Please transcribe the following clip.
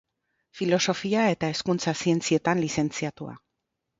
Filosofia eta Hezkuntza Zientzietan lizentziatua.